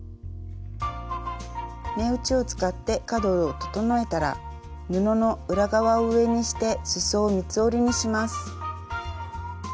目打ちを使って角を整えたら布の裏側を上にしてすそを三つ折りにします。